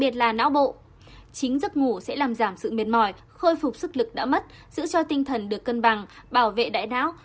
não bộ chính giấc ngủ sẽ làm giảm sự mệt mỏi khôi phục sức lực đã mất giữ cho tinh thần được cân bằng bảo vệ đại đáo